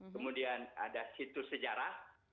kemudian ada situs sejarah